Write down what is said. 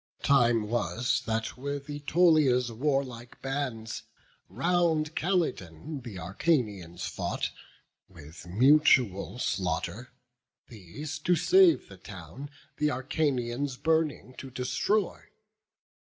Time was, that with Ætolia's warlike bands Round Calydon the Acarnanians fought With mutual slaughter; these to save the town, The Acarnanians burning to destroy.